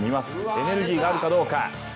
エネルギーがあるかどうか。